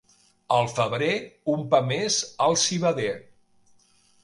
Al febrer, un pa més al civader.